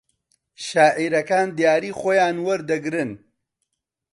شاعیرەکان دیاریی خۆیان وەردەگرن